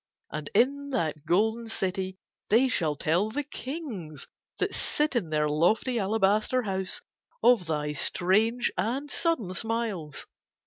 And in that golden city they shall tell the kings, that sit in their lofty alabaster house, of thy strange and sudden smiles.